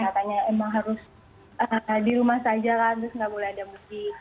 katanya emang harus di rumah saja kan terus nggak boleh ada mudik